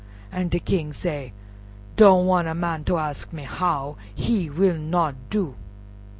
An' de King say, "Don't wan' a man ter ask me how—he will not do."